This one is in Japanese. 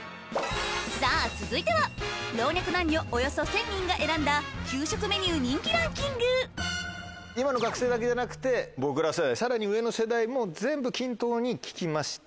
さぁ続いては老若男女およそ１０００人が選んだ今の学生だけじゃなくて僕ら世代さらに上の世代も全部均等に聞きました。